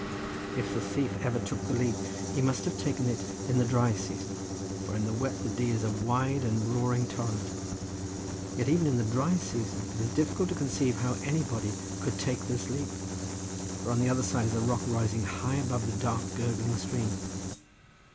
If the thief ever took the leap he must have taken it in the dry season, for in the wet the Dee is a wide and roaring torrent. Yet even in the dry season it is difficult to conceive how anybody could take this leap, for on the other side is a rock rising high above the dark gurgling stream.